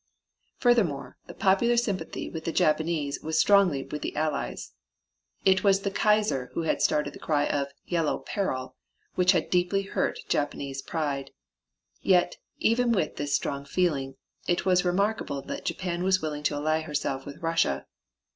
Furthermore, the popular sympathy with the Japanese was strongly with the Allies. It was the Kaiser who started the cry of the "yellow peril," which had deeply hurt Japanese pride. Yet, even with this strong feeling, it was remarkable that Japan was willing to ally herself with Russia.